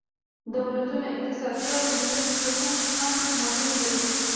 د دولتونو اقتصادي او ټولنیز حقوق هم مهم دي